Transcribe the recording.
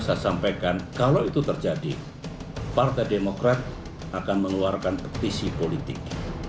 saya sampaikan kalau itu terjadi partai demokrat akan mengeluarkan petisi politik